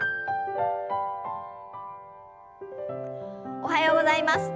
おはようございます。